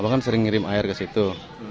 abang kan sering ngirim air ke situ